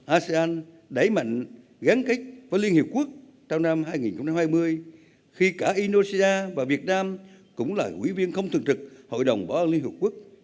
asean đẩy mạnh gắn kết với liên hiệp quốc trong năm hai nghìn hai mươi khi cả indonesia và việt nam cũng là quý viên không thường trực hội đồng bảo an liên hợp quốc